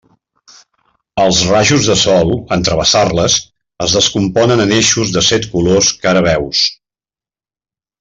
Els rajos de sol, en travessar-les, es descomponen en eixos set colors que ara veus.